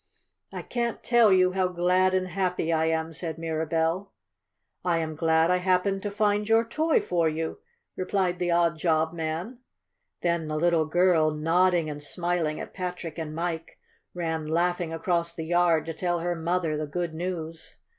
"I can't tell you how glad and happy I am," said Mirabell. "I am glad I happened to find your toy for you," replied the odd job man. Then, the little girl, nodding and smiling at Patrick and Mike, ran laughing across the yard to tell her mother the good news.